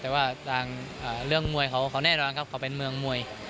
แต่ว่าทางเรื่องมวยเขาแน่นอนครับเขาเป็นเมืองมวย